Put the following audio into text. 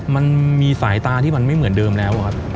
มันมีสายตาที่มันไม่เหมือนเดิมแล้วครับ